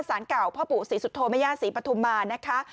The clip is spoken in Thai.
สารเก่าพ่อปู่ศรีสุโธแม่ย่าศรีปฐุมมานะคะ